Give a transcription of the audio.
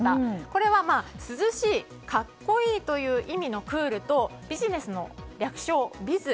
これは涼しい格好いいという意味のクールとビジネスの略称、ビズ